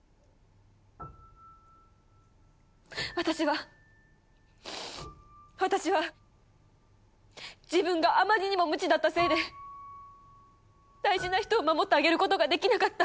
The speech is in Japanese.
私は私は自分があまりにも無知だったせいで大事な人を守ってあげることができなかった。